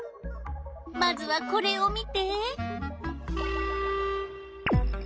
まずはこれを見て！